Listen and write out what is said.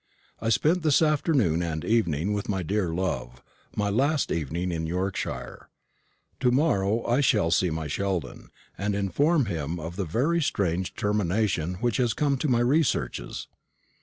I spent this afternoon and evening with my dear love my last evening in Yorkshire. To morrow I shall see my Sheldon, and inform him of the very strange termination which has come to my researches.